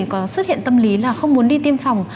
có xuất hiện tâm lý là không muốn đi tiêm phòng